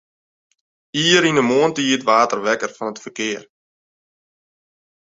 Ier yn 'e moarntiid waard er wekker fan it ferkear.